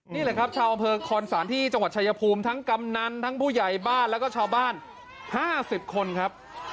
นี่แหละครับชาวอำเภอคอนศาลที่จังหวัดชายภูมิทั้งกำนันทั้งผู้ใหญ่บ้านแล้วก็ชาวบ้าน๕๐คนครับ